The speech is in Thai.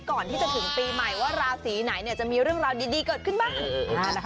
ก่อนที่จะถึงปีใหม่ว่าราศีไหนจะมีเรื่องราวดีเกิดขึ้นบ้าง